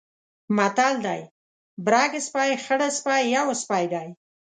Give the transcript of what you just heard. متل دی: برګ سپی، خړسپی یو سپی دی.